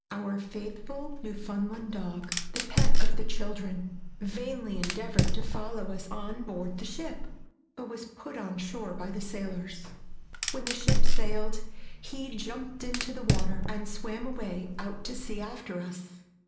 Our faithful Newfoundland dog, the pet of the children, vainly endeavored to follow us on board the ship, but was put on shore by the sailors. When the ship sailed he jumped into the water and swam away out to sea after us.